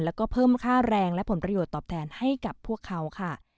แล้วก็เพิ่มค่าแรงและผลประโยชน์ตอบแทนให้กับพวกเขาค่ะ